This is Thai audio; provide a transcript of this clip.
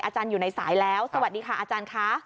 อาจารย์อยู่ในสายแล้วสวัสดีค่ะอาจารย์ค่ะ